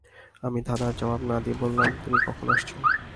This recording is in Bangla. আমি ধাঁধার জবাব না-দিয়ে বললাম, তুমি কখন আসছ?